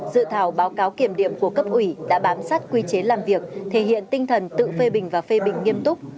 dự thảo báo cáo kiểm điểm của cấp ủy đã bám sát quy chế làm việc thể hiện tinh thần tự phê bình và phê bình nghiêm túc